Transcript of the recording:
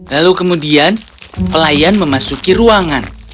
lalu kemudian pelayan memasuki ruangan